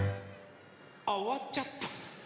あおわっちゃった。